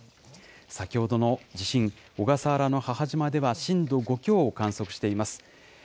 先ほどの地震、小笠原の母島では震度５強を観測しています。